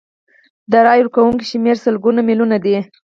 د رایې ورکوونکو شمیر سلګونه میلیونه دی.